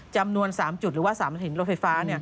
จำนวน๓จุดหรือว่า๓หินรถไฟฟ้า